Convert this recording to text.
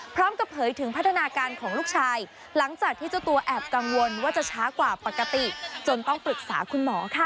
เผยถึงพัฒนาการของลูกชายหลังจากที่เจ้าตัวแอบกังวลว่าจะช้ากว่าปกติจนต้องปรึกษาคุณหมอค่ะ